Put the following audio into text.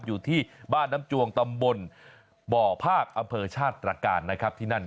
อยู่ที่บ้านน้ำจวงตำบลบ่อภาคอำเภอชาติตรการนะครับที่นั่น